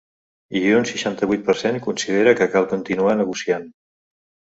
I un seixanta-vuit per cent considera que cal continuar negociant.